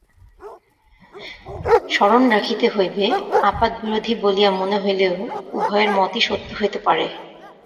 স্মরণ রাখিতে হইবে, আপাতবিরোধী বলিয়া মনে হইলেও উভয়ের মতই সত্য হইতে পারে।